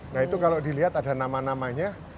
nah itu kalau dilihat ada nama namanya